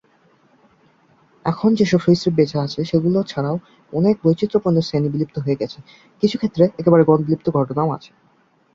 এখন যেসব সরীসৃপ বেচে আছে সেগুলো ছাড়াও আরো অনেক বৈচিত্রপূর্ণ শ্রেণী বিলুপ্ত হয়ে গেছে, কিছু ক্ষেত্রে একেবারে গণ-বিলুপ্তির ঘটনাও আছে।